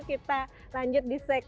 kita lanjut di sektor